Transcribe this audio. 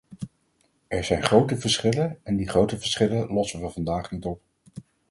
Er zijn grote verschillen, en die grote verschillen lossen we vandaag niet op.